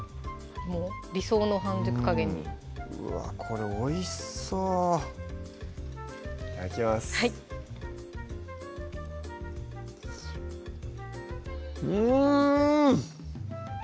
もう理想の半熟加減にうわぁこれおいしそういただきますうん！